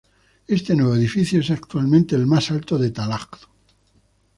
Este nuevo edificio es actualmente el más alto de Tallaght.